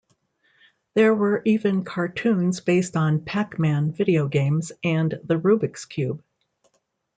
There were even cartoons based on "Pac-Man" video games and "the Rubik's Cube".